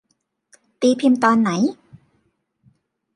ตีพิมพ์ตอนไหน